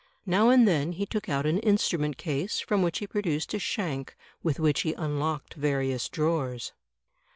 Now and then he took out an instrument case, from which he produced a shank, with which he unlocked various drawers.